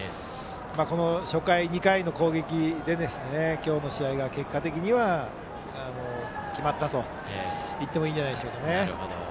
この初回、２回の攻撃で今日の試合が結果的には決まったといってもいいんじゃないんでしょうか。